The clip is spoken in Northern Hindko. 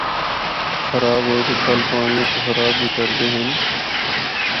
خراب ہوئے دے پھل پانڑیا کو خراب بھی کردے ہن۔